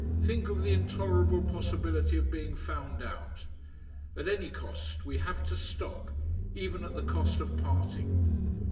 Think of the intolerable possibility of being found out! At any cost we have to stop even at the cost of parting."